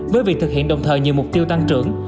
với việc thực hiện đồng thời nhiều mục tiêu tăng trưởng